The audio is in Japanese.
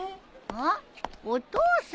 あっお父さん。